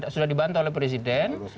sudah dibantah oleh presiden